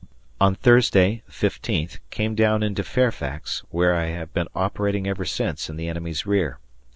On Thursday, 15th, came down into Fairfax, where I have been operating ever since in the enemy's rear.